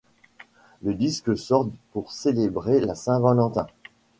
Le disque sort pour célébrer la Saint-Valentin.